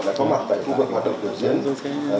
đã có mặt tại khu vực hoạt động biểu diễn với